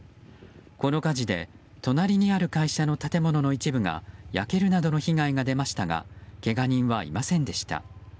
この火事で、隣にある会社の建物の一部が焼けるなどの被害が出ましたがけが人はいませんでした。